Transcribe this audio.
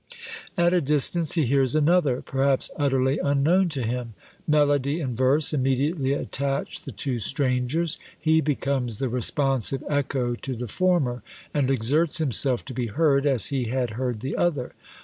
At a distance he hears another, perhaps utterly unknown to him. Melody and verse immediately attach the two strangers; he becomes the responsive echo to the former, and exerts himself to be heard as he had heard the other.